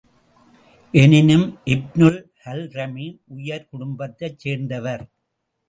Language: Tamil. எனினும், இப்னுல் ஹல்ரமி உயர் குடும்பத்தைச் சேர்ந்தவர்.